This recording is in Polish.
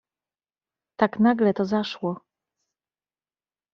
"Tak nagle to zaszło."